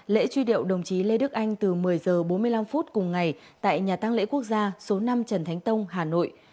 lễ truy điệu đồng chí lê đức anh từ một mươi h bốn mươi năm cùng ngày tại nhà tăng lễ quốc gia số năm trần thánh tông hà nội